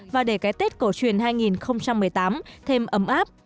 và để cái tết cổ truyền hai nghìn một mươi tám thêm ấm áp